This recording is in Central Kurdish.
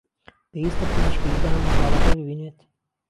پێویستە پزیشکی ددان منداڵەکە ببینێت